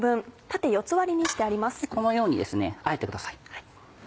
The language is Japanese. このようにあえてください。